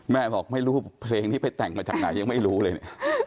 แม่บอกไม่รู้เพลงนี้ไปแต่งมาจากไหนยังไม่รู้เลยเนี่ย